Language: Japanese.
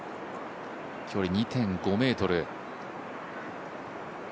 距離２．５ｍ。